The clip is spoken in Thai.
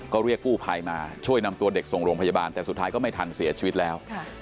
ก็เรียกกู้ภัยมาช่วยนำตัวเด็กส่งโรงพยาบาลแต่สุดท้ายก็ไม่ทันเสียชีวิตแล้ว